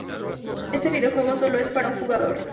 Este videojuego sólo es para un jugador.